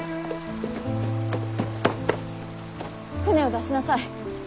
舟を出しなさい。